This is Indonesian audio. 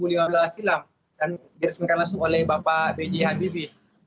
dan diresmikan langsung oleh bapak b j habibie